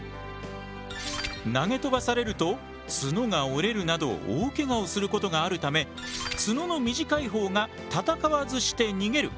投げ飛ばされると角が折れるなど大怪我をすることがあるため角の短いほうが戦わずして逃げる。